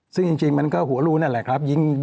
ซึ่งจริงมันก็หัวรูนั่นแหละครับ